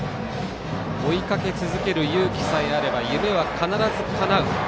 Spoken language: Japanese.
追いかけ続ける勇気さえあれば夢は必ずかなう。